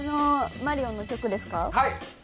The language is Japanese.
マリオの曲ですか？